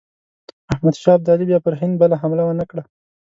احمدشاه ابدالي بیا پر هند بله حمله ونه کړه.